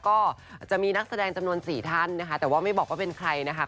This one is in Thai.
ก็จะมีนักแสดงจำนวน๔ท่านนะคะแต่ว่าไม่บอกว่าเป็นใครนะคะ